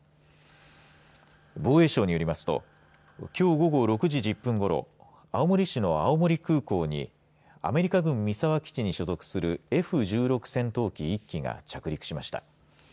防衛省によりますときょう午後６時１０分ごろ青森市の青森空港にアメリカ軍三沢基地に所属するＦ１６戦闘機１機が着陸しました。